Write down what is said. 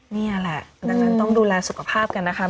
นี่แหละดังนั้นต้องดูแลสุขภาพกันนะคะ